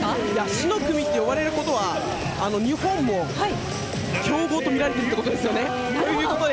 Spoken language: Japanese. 死の組といわれること自体は日本も強豪とみられているということですよね。